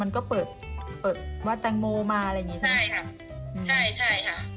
ก็เปิดเปิดวัดแตงโมมาอะไรอย่างงี้ใช่ค่ะใช่ใช่ค่ะ